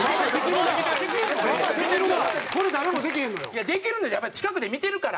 いやできるやっぱ近くで見てるから。